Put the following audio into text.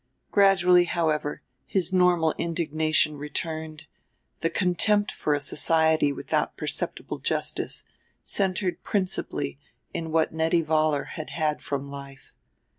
Gradually, however, his normal indignation returned, the contempt for a society without perceptible justice, centered principally in what Nettie Vollar had had from life.